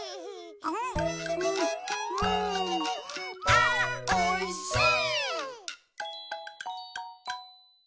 「あおいしい！」